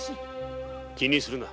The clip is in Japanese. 気にするな。